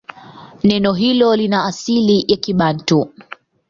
Neno hilo lina asili ya Kibantu.